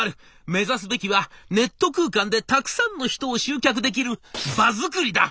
目指すべきはネット空間でたくさんの人を集客できる場づくりだ」。